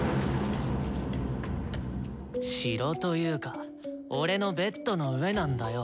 城というか俺のベッドの上なんだよ